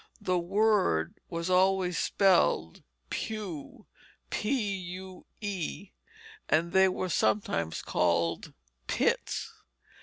The word was always spelled "pue"; and they were sometimes called "pits."